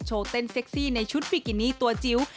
เต้นเซ็กซี่ในชุดฟิกินี่ตัวจิ๋ว